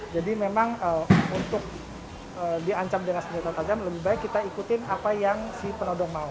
jadi memang untuk diancam dengan senjata tajam lebih baik kita ikutin apa yang si penodong mau